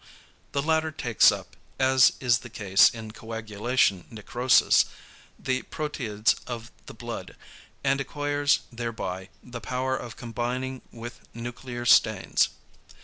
The latter takes up, as is the case in coagulation necrosis, the proteids of the blood, and acquires thereby the power of combining with nuclear stains.